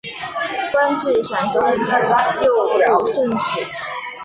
官至陕西右布政使。